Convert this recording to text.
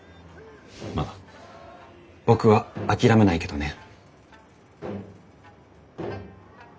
まあ僕は諦めないけどね。